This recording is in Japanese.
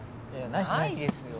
ないですよ。